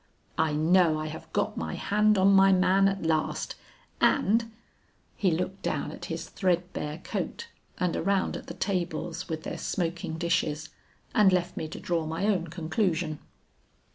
I know I have got my hand on my man at last and ' He looked down at his thread bare coat and around at the tables with their smoking dishes, and left me to draw my own conclusion.